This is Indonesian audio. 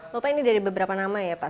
bapak ini dari beberapa nama ya pak